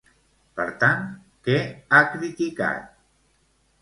Per tant, què ha criticat?